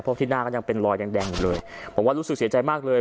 เพราะที่หน้าก็ยังเป็นรอยแดงแดงอยู่เลยผมว่ารู้สึกเสียใจมากเลย